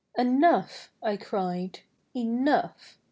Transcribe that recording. "" Enough," I cried, " enough